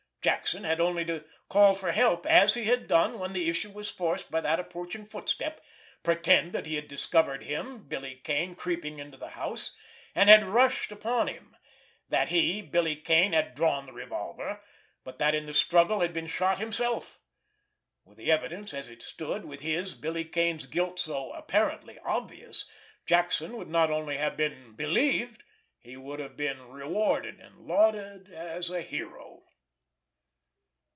Jackson had only to call for help, as he had done when the issue was forced by that approaching footstep, pretend that he had discovered him, Billy Kane, creeping into the house, and had rushed upon him—that he, Billy Kane, had drawn the revolver, but that in the struggle had been shot himself. With the evidence as it stood, with his, Billy Kane's guilt so apparently obvious, Jackson would not only have been believed, but would have been rewarded and lauded as a hero.